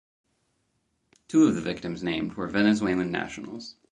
Two of the victims named were Venezuelan nationals.